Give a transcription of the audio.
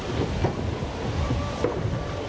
ถือว่าชีวิตที่ผ่านมายังมีความเสียหายแก่ตนและผู้อื่น